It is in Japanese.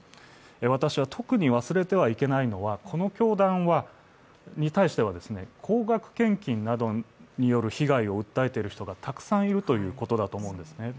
私は特に忘れてはいけないのは、この教団に対しては高額献金などによる被害を訴えている人がたくさんいるということだと思うんですね。